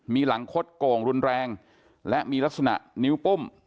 มีหลังคดโก่งรุนแรงและมีลักษณะนิ้วปุ้ม